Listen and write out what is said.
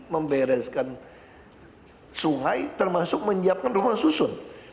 membereskan sungai termasuk menyiapkan rumah susun